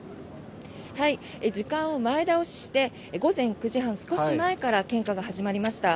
時間を前倒して午前９時半少し前から献花が始まりました。